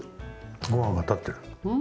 ごはんが立ってる。